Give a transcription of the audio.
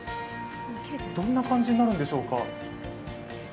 どんな感じになるのでしょうか？